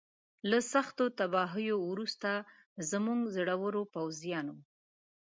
له سختو تباهیو وروسته زموږ زړورو پوځیانو.